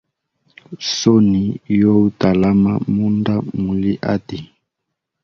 Soni yo utalama munda muli hati.